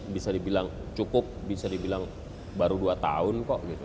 bisa dibilang cukup bisa dibilang baru dua tahun kok gitu